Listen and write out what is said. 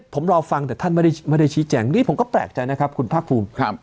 ผมรอฟังแต่ท่านไม่ได้ชี้แจงนี่ผมก็แปลกใจนะครับคุณภาคภูมิ